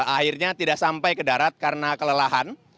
akhirnya tidak sampai ke darat karena kelelahan